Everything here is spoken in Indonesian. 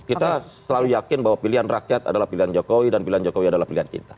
kita selalu yakin bahwa pilihan rakyat adalah pilihan jokowi dan pilihan jokowi adalah pilihan kita